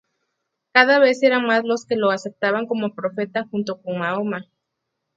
Cada vez eran más los que lo aceptaban como profeta junto con Mahoma.